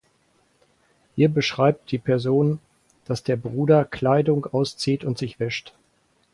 Hier beschreibt die Person, dass der Bruder Kleidung auszieht und sich wäscht.